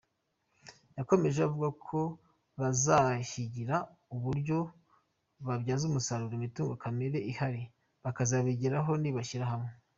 Yakomeje avuga ko bazahigira uburyo babyaza umusaruro imitungo kamere ihari, bakazabigeraho nibashyira hamwe.